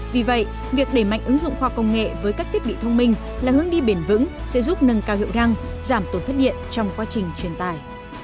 vì vậy việc đẩy mạnh ứng dụng khoa công nghệ với các thiết bị thông minh là hướng đi bền vững sẽ giúp nâng cao hiệu răng giảm tổn thất điện trong quá trình truyền tải